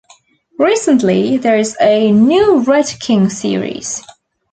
Recently there is a new "Red King" series.